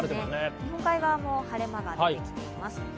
日本海側も晴れ間が広がっています。